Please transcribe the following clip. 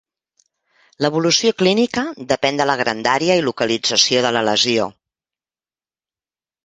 L'evolució clínica depèn de la grandària i localització de la lesió.